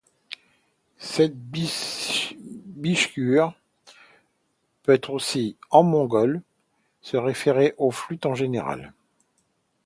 Le terme bishgüür peut aussi en mongol se référer aux flûtes en général.